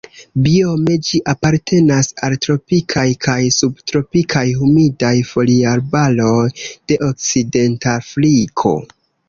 Biome ĝi apartenas al tropikaj kaj subtropikaj humidaj foliarbaroj de Okcidentafriko.